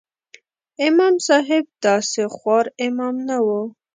امام صاحب داسې خوار امام نه و.